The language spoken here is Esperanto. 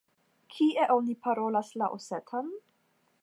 Kie oni parolas la osetan?